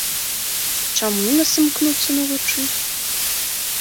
Чаму нас імкнуцца навучыць?